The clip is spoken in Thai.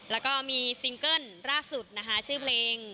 แล้วก็มีซิงเกิ้ลล่าสุดนะคะชื่อเพลง